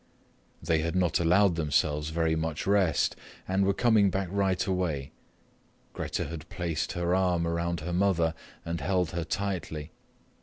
They had not allowed themselves very much rest and were coming back right away. Grete had placed her arm around her mother and held her tightly.